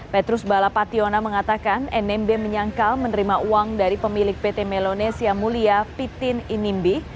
petrus balapationa mengatakan nmb menyangkal menerima uang dari pemilik pt melonesia mulia pitin inimbi